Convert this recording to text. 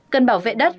cần bảo vệ đất